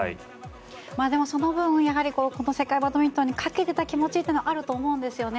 でもその分世界バドミントンにかけていた気持ちがあると思うんですよね。